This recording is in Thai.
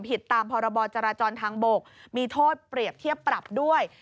ผิดตามพรบจราจรทางบกมีโทษเปรียบเทียบปรับด้วย